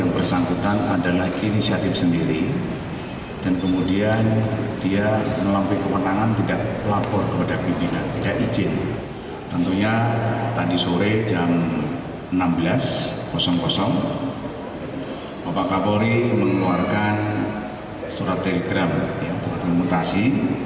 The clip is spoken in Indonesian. polri mengeluarkan surat telegram yang dimutasi